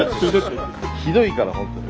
ひどいから本当に。